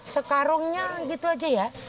sekarungnya gitu aja ya